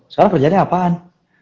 sekarang kerjaannya apaan